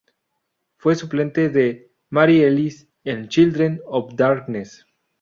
Fue suplente de Mary Ellis en "Children of Darkness".